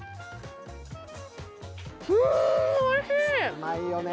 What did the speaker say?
うーん、おいしい！